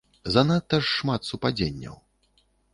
Занадта ж шмат супадзенняў.